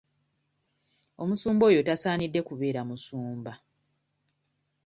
Omusumba oyo tasaanidde kubeera musumba.